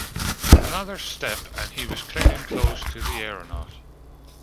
Another step and he was clinging close to the aeronaut.